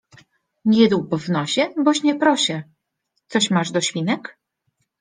Nie dłub w nosie boś nie prosię. Coś masz do świnek?